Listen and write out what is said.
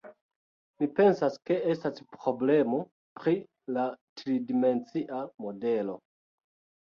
Mi pensas, ke estas problemo pri la tridimencia modelo.